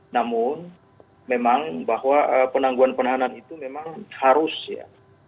namun memang bahwa penangguhan penahanan itu memang harus ya